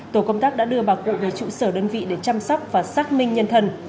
tổ công tác đã đưa bà cụ về trụ sở đơn vị để chăm sóc và xác minh nhân thần